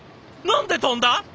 何で飛んだ！？